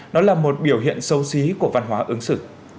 nó là một biểu hiện sâu xí của văn hóa ứng xử